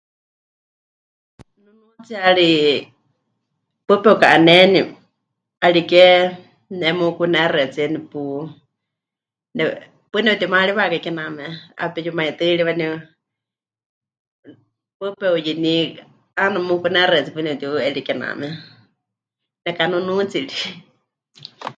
Nunuutsiyari paɨ pepɨka'aneni, 'ariké ne mukunexɨatsie nepu... ne... paɨ nepɨtimaariwakai kename 'epeyumaitɨ́ ri waaníu paɨ pe'uyɨní, 'aana mukunexɨatsie paɨ nepɨtiu'eri kename nekanunuutsi ri.